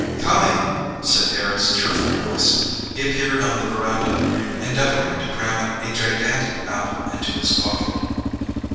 "Coming," said Harry's cheerful voice. He appeared on the verandah, endeavouring to cram a gigantic apple into his pocket.